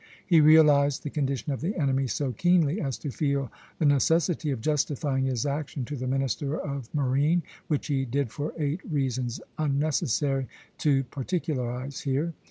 He realized the condition of the enemy so keenly as to feel the necessity of justifying his action to the Minister of Marine, which he did for eight reasons unnecessary to particularize here.